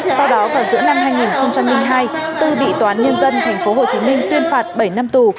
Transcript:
sau đó vào giữa năm hai nghìn hai tư bị toán nhân dân tp hcm tuyên phạt bảy năm tù